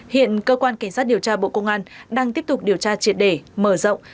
hiện cơ quan cảnh sát điều tra bộ công an đang tiếp tục điều tra triệt đề mở rộng